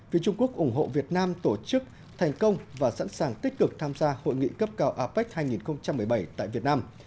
phía trung quốc ủng hộ việt nam tổ chức thành công và sẵn sàng tích cực tham gia hội nghị cấp cao apec hai nghìn một mươi bảy tại việt nam